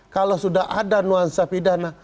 kalau sudah ada nuansa pidana